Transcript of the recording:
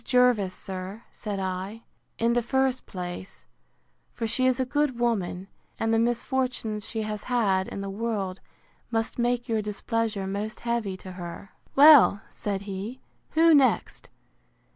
Jervis, sir, said I, in the first place; for she is a good woman; and the misfortunes she has had in the world, must make your displeasure most heavy to her. Well, said he, who next?